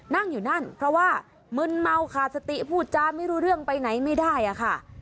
นั่งอยู่นั่นเพราะว่ามึนเมาขาดสติพูดจาไม่รู้เรื่องไปไหนไม่ได้อะค่ะ